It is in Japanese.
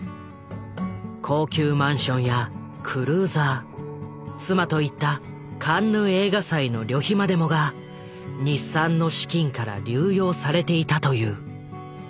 高級マンションやクルーザー妻と行ったカンヌ映画祭の旅費までもが日産の資金から流用されていたという。